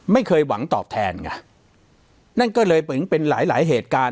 ไม่เคยหวังตอบแทนไงนั่นก็เลยเป็นหลายหลายเหตุการณ์